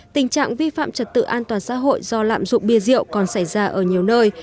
tình trạng vi phạm trật tự an toàn xã hội do lạm dụng bia rượu còn xảy ra ở nhiều nơi